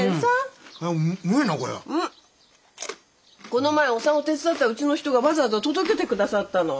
この前お産を手伝ったうちの人がわざわざ届けて下さったの。